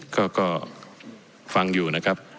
ก็ฟังอยู่นะครับ